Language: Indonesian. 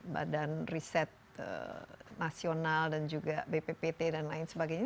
badan riset nasional dan juga bppt dan lain sebagainya